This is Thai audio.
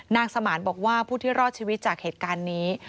สมานบอกว่าผู้ที่รอดชีวิตจากเหตุการณ์นี้